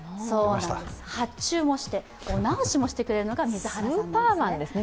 発注もして、お直しもしてくれるのが水原さんなんですね。